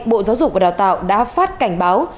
bộ giáo dục và đào tạo đã phát cảnh báo